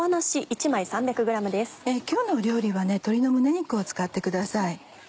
今日の料理は鶏の胸肉を使ってください。